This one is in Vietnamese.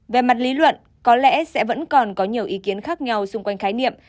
về mặt lý luận có lẽ sẽ vẫn còn có nhiều ý kiến khác nhau xung quanh khái niệm